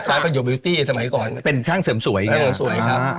ค่ะร้านประโยบิวตี้สมัยก่อนเป็นช่างเสริมสวยช่างเสริมสวยครับ